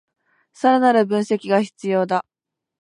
さらなる分析が必要だ